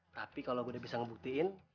tapi kalau aku sudah bisa membuktikan